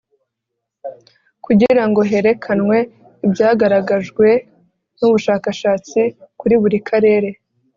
kugira ngo herekanwe ibyagaragajwe n ubushakashatsi kuri buri karere